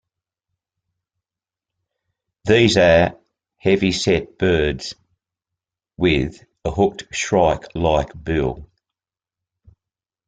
These are heavyset birds with a hooked shrike-like bill.